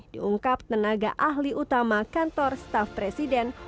diungkap tenaga ahli utama kantor staff presiden